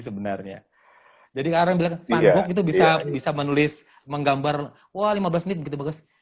sebenarnya jadi karena bilang itu bisa bisa menulis menggambar woi lima belas menit begitu bagus